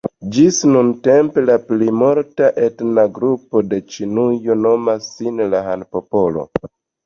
Ĝis ĉi-tempe, la plimulta etna grupo de Ĉinujo nomas sin la "Han-popolo".